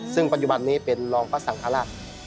ซึ่งปัจจุบันนี้เป็นรองพัศหนภาระ